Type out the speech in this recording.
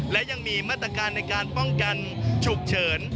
และยังมีมาตรการในการป้องกันฉุกเฉิน